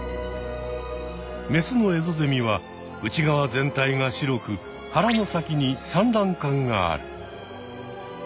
メスのエゾゼミは内側全体が白く腹の先に産卵管がある。